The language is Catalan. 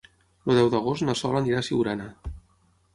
El deu d'agost na Sol anirà a Siurana.